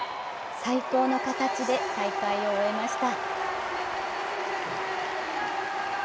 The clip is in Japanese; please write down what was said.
最高の形で大会を終えました。